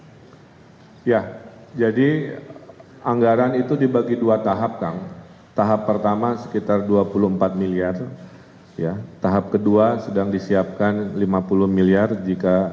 oh ya jadi anggaran itu dibagi dua tahap kan tahap pertama sekitar dua puluh empat miliar ya tahap kedua